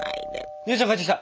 姉ちゃん帰ってきた。